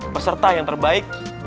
peserta yang terbaik